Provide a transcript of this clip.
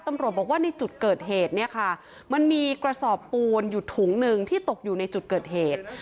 ตำรวจบอกว่าในจุดเกิดเหตุเนี่ยค่ะมันมีกระสอบปูนอยู่ถุงหนึ่งที่ตกอยู่ในจุดเกิดเหตุ